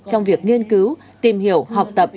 trong việc nghiên cứu tìm hiểu học tập